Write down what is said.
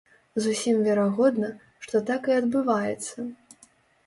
Зусім верагодна, што так і адбываецца.